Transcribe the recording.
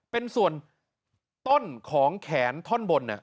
เป็นส่วนต้นของแขนท่อนบน